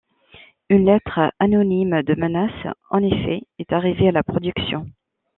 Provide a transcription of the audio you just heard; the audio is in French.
Une lettre anonyme de menaces en effet est arrivée à la production.